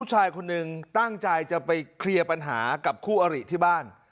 ผู้ชายคนหนึ่งตั้งใจจะไปเคลียร์ปัญหากับคู่อริที่บ้าน